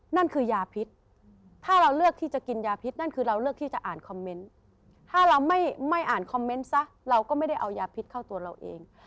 นั่นคือยาพิษถ้าเราเลือกที่จะกินยาพิษนั่นคือเราเลือกที่จะอ่านคอมเมนต์ถ้าเราไม่อ่านคอมเมนต์ซะเราก็ไม่ได้เอายาพิษเข้าตัวเราเอง